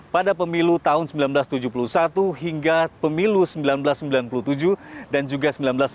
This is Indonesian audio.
pada pemilu tahun seribu sembilan ratus tujuh puluh satu hingga pemilu seribu sembilan ratus sembilan puluh tujuh dan juga seribu sembilan ratus sembilan puluh